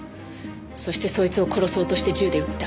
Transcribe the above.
そしてそいつを殺そうとして銃で撃った。